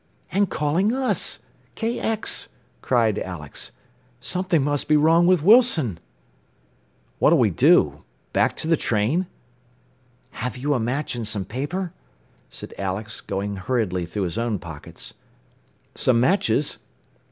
"And calling us KX!" cried Alex. "Something must be wrong with Wilson!" "What'll we do? Back to the train?" "Have you a match and some paper?" said Alex, going hurriedly through his own pockets. "Some matches."